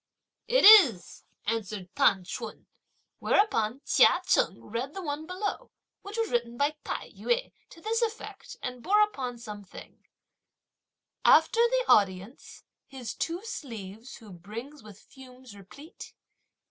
"It is," answered T'an C'h'un; whereupon Chia Cheng read the one below, which was written by Tai yü to this effect and bore upon some thing: After the audience, his two sleeves who brings with fumes replete?